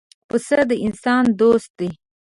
پسه د انسان دوست دی.